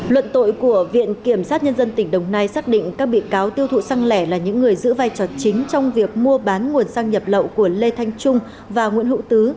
luận tội của viện kiểm sát nhân dân tỉnh đồng nai xác định các bị cáo tiêu thụ xăng lẻ là những người giữ vai trò chính trong việc mua bán nguồn xăng nhập lậu của lê thanh trung và nguyễn hữu tứ